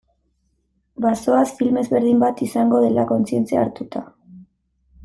Bazoaz, film ezberdin bat izango dela kontzientzia hartuta.